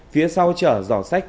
phía sau chở giỏ sách